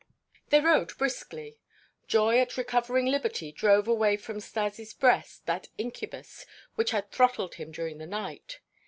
They rode briskly. Joy at recovering liberty drove away from Stas' breast that incubus which had throttled him during the night.